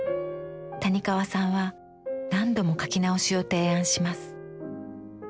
谷川さんは何度も描き直しを提案します。